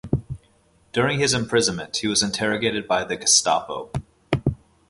During his imprisonment he was interrogated by the Gestapo.